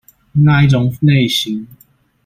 那一種類型